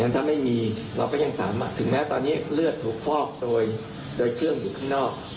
ถ้าไม่มีเราก็ยังสามารถถึงแม้ตอนนี้เลือดถูกฟอกโดยเครื่องอยู่ข้างนอก